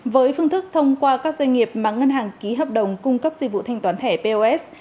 với phương thức thông qua các doanh nghiệp mà ngân hàng ký hợp đồng cung cấp dịch vụ thanh toán thẻ pos